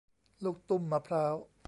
ลูกตุ้มมะพร้าว